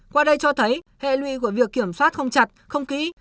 qua đây cho thấy hệ lụy của việc kiểm soát không chặt không kỹ